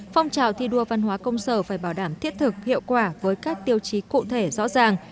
phong trào thi đua văn hóa công sở phải bảo đảm thiết thực hiệu quả với các tiêu chí cụ thể rõ ràng